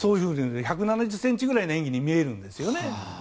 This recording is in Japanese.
１７０ｃｍぐらいの演技に見えるんですよね。